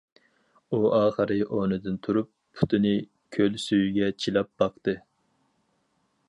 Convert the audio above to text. ئۇ ئاخىر ئورنىدىن تۇرۇپ پۇتىنى كۆل سۈيىگە چىلاپ باقتى.